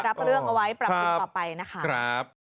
รับเรื่องเอาไว้ปรับปรุงต่อไปนะคะ